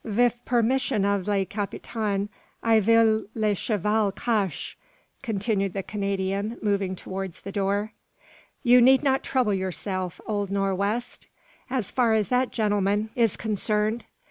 "Vith permiss of le capitaine, I vill le cheval cache," continued the Canadian, moving towards the door. "You need not trouble yourself, old Nor' west, as far as that gentleman is concerned.